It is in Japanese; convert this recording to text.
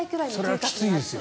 それはきついですよ。